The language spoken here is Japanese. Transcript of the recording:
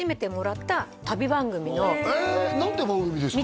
何て番組ですか？